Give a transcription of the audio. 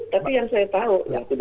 tapi yang saya tahu